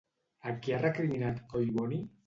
A qui ha recriminat Collboni?